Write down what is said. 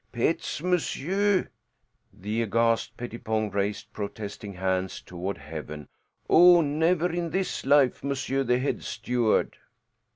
"Pets, monsieur?" The aghast Pettipon raised protesting hands toward heaven. "Oh, never in this life, monsieur the head steward."